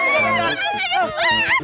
tidak tahu bahwa